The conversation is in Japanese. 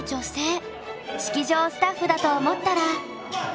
式場スタッフだと思ったら。